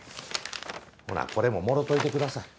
ほなこれももろうといてください。